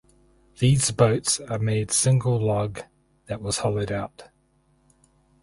These boats are made single log that was hollowed out.